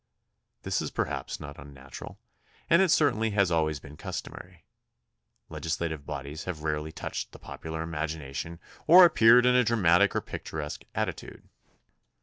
This is perhaps not un natural, and it certainly has always been customary. Legislative bodies have rarely touched the popular imagination or appeared in a dramatic or picturesque attitude.